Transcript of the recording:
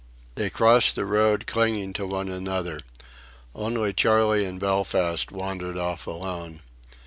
They crossed the road, clinging to one another. Only Charley and Belfast wandered off alone.